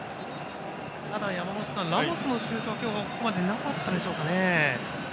山本さん、ラモスのシュートは今日ここまでなかったでしょうか。